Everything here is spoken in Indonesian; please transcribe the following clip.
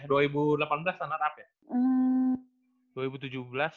dua ribu delapan belas runner up ya